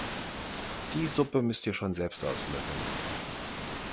Die Suppe müsst ihr schon selbst auslöffeln!